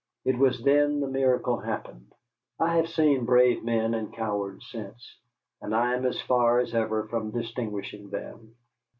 It was then the miracle happened. I have seen brave men and cowards since, and I am as far as ever from distinguishing them.